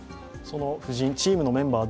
布陣、チームのメンバー